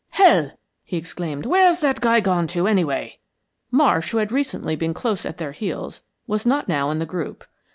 "Hell!" he exclaimed. "Where's that guy gone to, anyway?" Marsh, who had recently been close at their heels, was not now in the group.